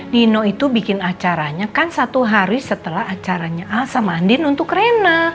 nino itu bikin acaranya kan satu hari setelah acaranya al sama andin untuk rena